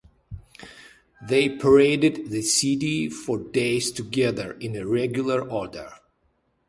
They paraded the city for days together in a regular order.